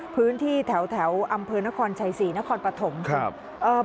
พื้นที่แถวแถวอำเภอนครชัยศรีนครปฐมครับเอ่อ